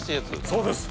そうです！